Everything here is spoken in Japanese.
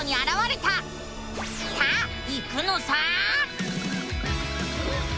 さあ行くのさ！